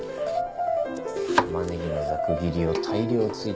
タマネギのざく切りを大量追加。